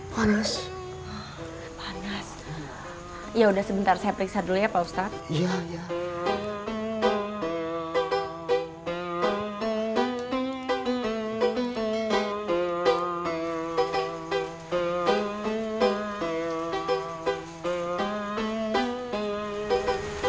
panas ya udah sebentar saya periksa dulu ya pak ustadz